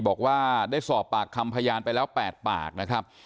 บอกว่าได้สอบปากคำพยานไปแล้ว๘ปากนะครับ